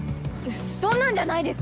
そんなんじゃないです！